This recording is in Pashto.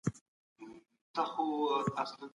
که بازار نه وي محصولات خرابیږي.